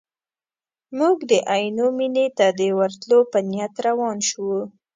موږ د عینو مینې ته د ورتلو په نیت روان شوو.